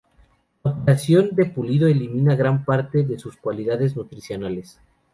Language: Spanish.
La operación de pulido elimina gran parte de sus cualidades nutricionales.